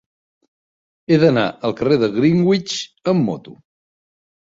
He d'anar al carrer de Greenwich amb moto.